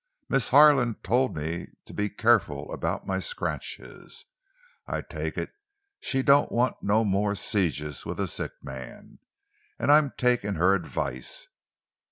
"Miss Harlan told me to be careful about my scratches. I take it she don't want no more sieges with a sick man. And I'm taking her advice.